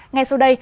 ngay sau đây